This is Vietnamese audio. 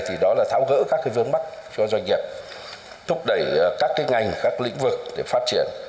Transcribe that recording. thì đó là tháo gỡ các cái vướng mắt cho doanh nghiệp thúc đẩy các cái ngành các lĩnh vực để phát triển